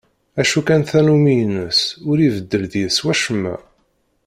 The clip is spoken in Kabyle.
Acu kan tannumi-ines ur ibeddel deg-s wacemma.